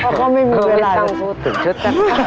เพราะเขาไม่มีเวลาเค้ามีแต่ติดชุด